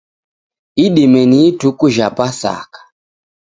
Idime ni ituku jha pasaka